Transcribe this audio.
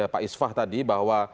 pak isfah tadi bahwa